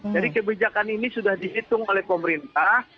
jadi kebijakan ini sudah dihitung oleh pemerintah